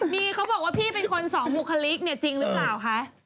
มีเขาบอกว่าพี่เป็นคนสองบุคลิกเนี่ยจริงหรือเปล่าคะ